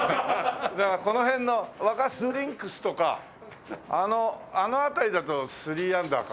だからこの辺の若洲リンクスとかあの辺りだと３アンダーか。